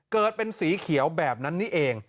เกิดเป็นสีเขียวแบบนั้นนี่เอง